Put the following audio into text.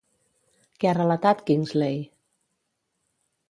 Què ha relatat, Kingsley?